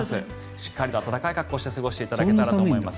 しっかりと暖かい格好をして過ごしていただきたいと思います。